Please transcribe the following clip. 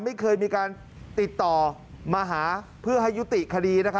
ไม่เคยมีการติดต่อมาหาเพื่อให้ยุติคดี